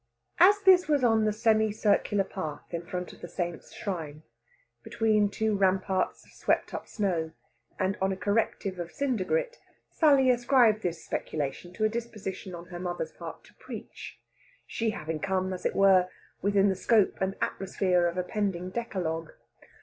As this was on the semi circular path in front of the Saint's shrine, between two ramparts of swept up snow, and on a corrective of cinder grit, Sally ascribed this speculation to a disposition on her mother's part to preach, she having come, as it were, within the scope and atmosphere of a pending decalogue.